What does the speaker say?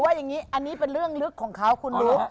อันนี้เป็นเรื่องลึกของเขาคุณลุก